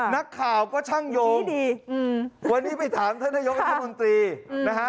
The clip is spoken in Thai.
นักข่าวก็ช่างโยงวันนี้ไปถามท่านนายกรัฐมนตรีนะฮะ